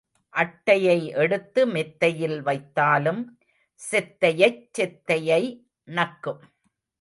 அட்டையை எடுத்து மெத்தையில் வைத்தாலும் செத்தையைச் செத்தையை நக்கும்.